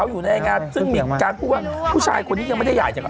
อยู่ในงานซึ่งมีการพูดว่าผู้ชายคนนี้ยังไม่ได้ใหญ่จากอะไร